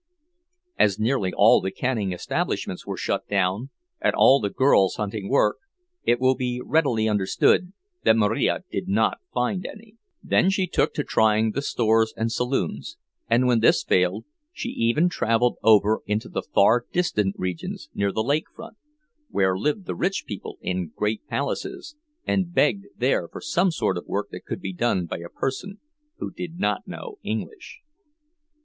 As nearly all the canning establishments were shut down, and all the girls hunting work, it will be readily understood that Marija did not find any. Then she took to trying the stores and saloons, and when this failed she even traveled over into the far distant regions near the lake front, where lived the rich people in great palaces, and begged there for some sort of work that could be done by a person who did not know English.